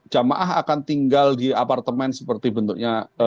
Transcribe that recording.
jamaah akan tinggal di apartemen seperti bentuknya